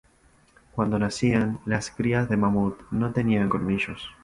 Cuando nacían, las crías de mamut no tenían colmillos.